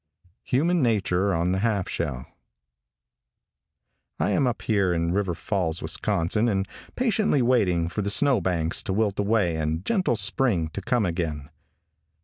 HUMAN' NATURE ON THE HALF SHELL. |I AM up here in River Falls, Wisconsin, and patiently waiting for the snow banks to wilt away and gentle spring to come again.